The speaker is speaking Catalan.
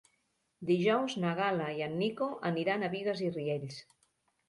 Dijous na Gal·la i en Nico aniran a Bigues i Riells.